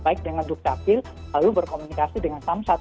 baik dengan dukta pil lalu berkomunikasi dengan samsat